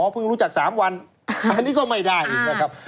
อ๋อเพิ่งรู้จักสามวันอันนี้ก็ไม่ได้นะครับ